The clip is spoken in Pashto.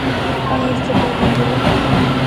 ایا زه باید انګور وخورم؟